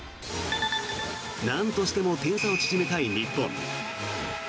なんとしても点差を縮めたい日本。